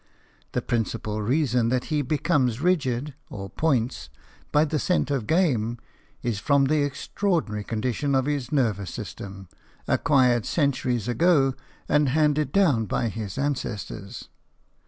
The principal reason that he becomes rigid, or points, by the scent of game, is from the extraordinary condition of his nervous system, acquired centuries ago and handed down by his ancestors.